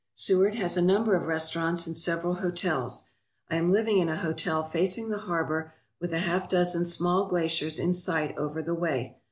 Seward has a number of restaurants and several hotels. I am living in a hotel facing the harbour, with a half dozen small glaciers in sight over the way.